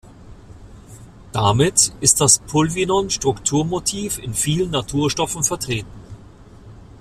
Damit ist das Pulvinon-Strukturmotiv in vielen Naturstoffen vertreten.